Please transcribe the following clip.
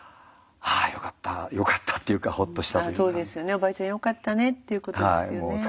おばあちゃんよかったねっていうことですよね。